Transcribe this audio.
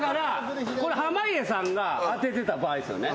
これ濱家さんが当ててた場合ですよね。